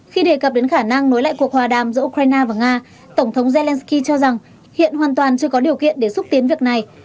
khi đề cập đến khả năng nối lại cuộc hòa đàm giữa ukraine và nga tổng thống zelensky cho rằng hiện hoàn toàn chưa có điều kiện để xúc tiến việc này